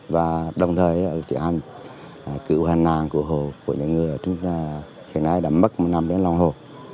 và đồng thời là thực hiện cử hành nàng cử hồ của những người ở trên này đã mất một năm đến lòng hồ